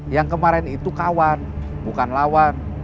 yang kemarin itu kawan bukan lawan